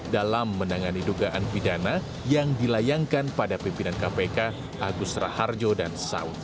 dalam menangani dugaan pidana yang dilayangkan pada pimpinan kpk agus raharjo dan saud